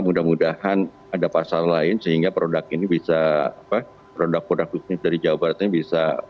mudah mudahan ada pasar lain sehingga produk ini bisa produk produk khususnya dari jawa barat ini bisa